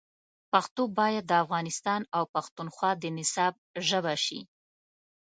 پښتو باید د افغانستان او پښتونخوا د نصاب ژبه شي.